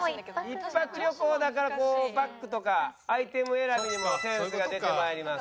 １泊旅行だからこうバッグとかアイテム選びにもセンスが出て参ります。